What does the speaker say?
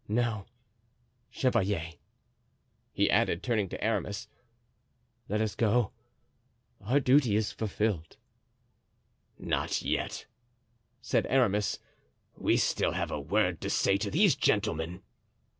Now, chevalier," he added, turning to Aramis, "let us go. Our duty is fulfilled." "Not yet." said Aramis; "we have still a word to say to these gentlemen."